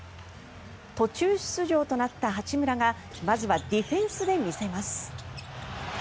途中出場となった八村がまずはディフェンスで見せます。